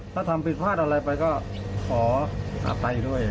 ถ้าทำผิดพลาดอะไรไปก็ขออภัยด้วย